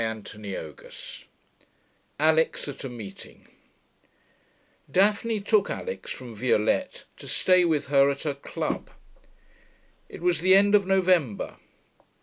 CHAPTER XV ALIX AT A MEETING 1 Daphne took Alix from Violette to stay with her at her club. It was the end of November.